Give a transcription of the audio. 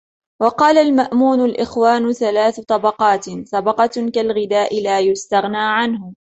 وَقَالَ الْمَأْمُونُ الْإِخْوَانُ ثَلَاثُ طَبَقَاتٍ طَبَقَةٌ كَالْغِذَاءِ لَا يُسْتَغْنَى عَنْهُ ،